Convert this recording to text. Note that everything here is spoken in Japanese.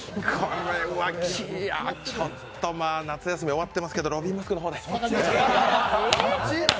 これはちょっと夏休み終わってますけどロビンマスクの方で。